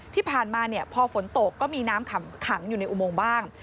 ที่ผ่านมาพอฝนตกก็มีน้ำขังอยู่ในอุโมงบ้าง